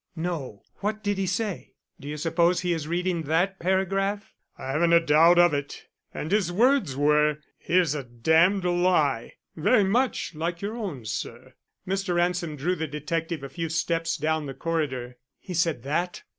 "No; what did he say? Do you suppose he is reading that paragraph?" "I haven't a doubt of it; and his words were, 'Here's a damned lie!' very much like your own, sir." Mr. Ransom drew the detective a few steps down the corridor. "He said that?"